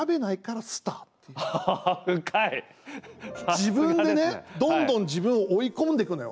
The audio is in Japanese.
自分でねどんどん自分を追い込んでくのよ。